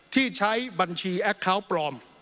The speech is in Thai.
ที่ใช้บัญชีแอคเคาน์ปลอม